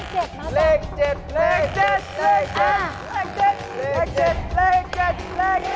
เลข๗น้ำตะโกเลข๗เลข๗เลข๗เลข๗เลข๗เลข๗เลข๗เลข๗